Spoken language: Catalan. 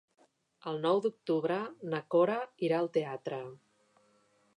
El nou d'octubre na Cora irà al teatre.